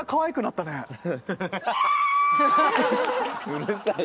うるさい。